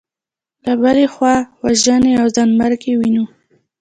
له بلې خوا وژنې او ځانمرګي وینو.